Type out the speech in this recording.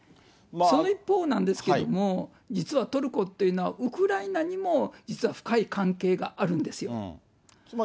その一方なんですけども、実はトルコっていうのは、ウクライナにも実は深い関係があるんですよ。